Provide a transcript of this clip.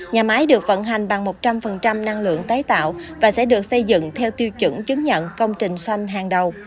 nhà máy được vận hành bằng một trăm linh năng lượng tái tạo và sẽ được xây dựng theo tiêu chuẩn chứng nhận công trình xanh hàng đầu